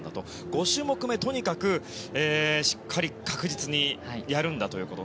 ５種目め、とにかくしっかり確実にやるんだということ。